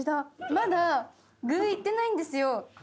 まだ具いってないんですよ。